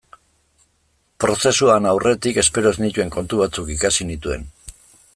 Prozesuan aurretik espero ez nituen kontu batzuk ikasi nituen.